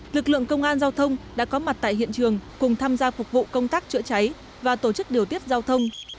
lực lượng công an giao thông đã có mặt tại hiện trường cùng tham gia phục vụ công tác chữa cháy và tổ chức điều tiết giao thông